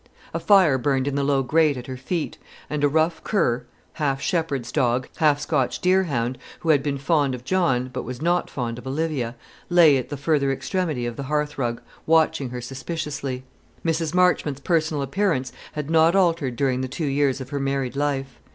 A fire burned in the low grate at her feet, and a rough cur half shepherd's dog, half Scotch deer hound, who had been fond of John, but was not fond of Olivia lay at the further extremity of the hearth rug, watching her suspiciously. Mrs. Marchmont's personal appearance had not altered during the two years of her married life.